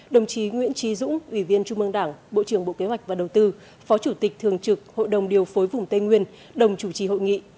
đồng chí nguyễn trí dũng ủy viên trung mương đảng bộ trưởng bộ kế hoạch và đầu tư phó chủ tịch thường trực hội đồng điều phối vùng tây nguyên đồng chủ trì hội nghị